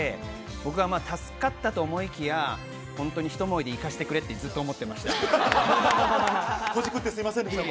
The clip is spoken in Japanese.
僕は助かったと思いきや本当にひと思いでいかしてくれってずっと思ってました。